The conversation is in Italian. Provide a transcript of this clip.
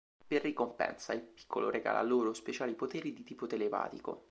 Per ricompensa, il piccolo regala loro speciali poteri di tipo telepatico.